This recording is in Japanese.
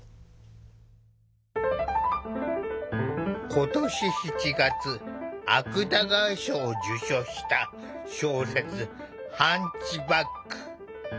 今年７月芥川賞を受賞した小説「ハンチバック」。